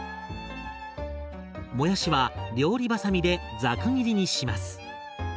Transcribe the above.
もやしは料理ばさみでザク切りにします。